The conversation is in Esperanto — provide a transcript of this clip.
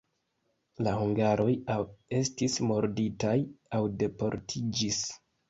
La hungaroj aŭ estis murditaj, aŭ deportiĝis.